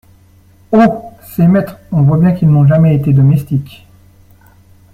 Oh ! ces maîtres, on voit bien qu’ils n’ont jamais été domestiques !